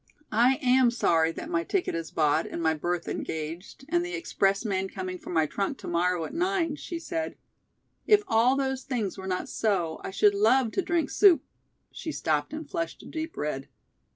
"I am sorry that my ticket is bought and my berth engaged, and the expressman coming for my trunk to morrow at nine," she said. "If all those things were not so, I should love to drink soup " she stopped and flushed a deep red.